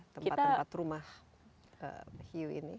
tempat tempat rumah hiu ini